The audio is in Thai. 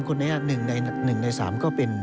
๓คนใน๑ใน๓ก็เป็น